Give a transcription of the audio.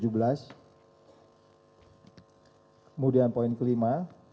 kemudian poin kelima